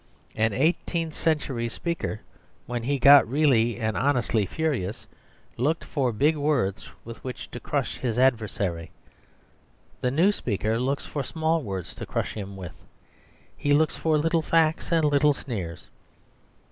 An eighteenth century speaker, when he got really and honestly furious, looked for big words with which to crush his adversary. The new speaker looks for small words to crush him with. He looks for little facts and little sneers.